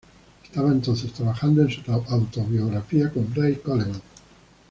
Estaba entonces trabajando en su autobiografía con Ray Coleman.